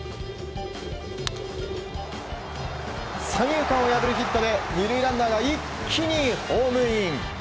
三遊間を破るヒットで２塁ランナーが一気にホームイン。